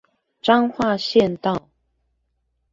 彰化縣道